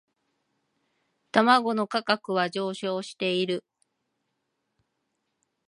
卵の価格は上昇している